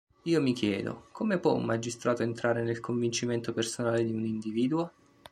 Io mi chiedo: come può un magistrato entrare nel convincimento personale di un individuo?